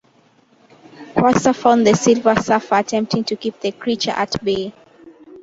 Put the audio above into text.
Quasar found The Silver Surfer attempting to keep the creature at bay.